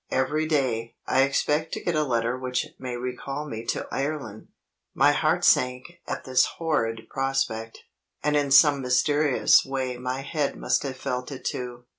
Every day, I expect to get a letter which may recall me to Ireland." My heart sank at this horrid prospect; and in some mysterious way my head must have felt it too.